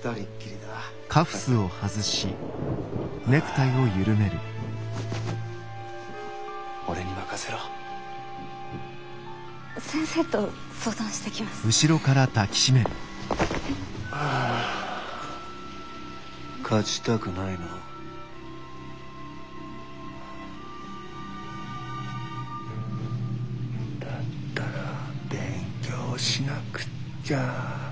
だったら勉強しなくっちゃ。